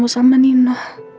gue bisa ketemu sama nino